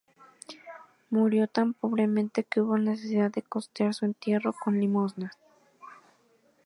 Murió tan pobremente que hubo necesidad de costear su entierro con limosnas.